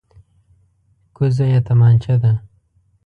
کوزه یې تمانچه ده.